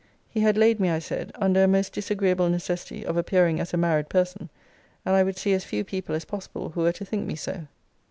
He had laid me, I said, under a most disagreeable necessity of appearing as a married person, and I would see as few people as possible who were to think me so.